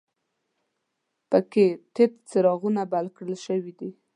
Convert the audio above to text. په کې تت څراغونه بل کړل شوي دي.